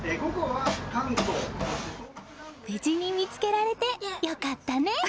無事に見つけられて良かったね！